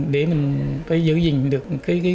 để mình giữ gìn được